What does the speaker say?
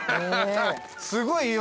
すごい。